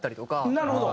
なるほど！